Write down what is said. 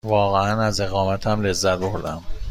واقعاً از اقامتم لذت بردم.